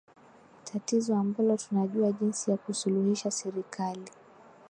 tatizo ambalo tunajua jinsi ya kusuluhishaSerikali